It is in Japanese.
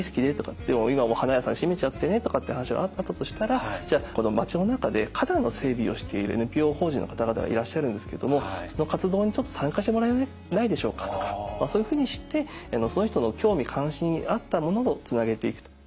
「でも今もう花屋さん閉めちゃってね」とかって話があったとしたら「じゃあこの町の中で花壇の整備をしているＮＰＯ法人の方々がいらっしゃるんですけどもその活動にちょっと参加してもらえないでしょうか」とかそういうふうにしてその人の興味関心に合ったものをつなげていくと。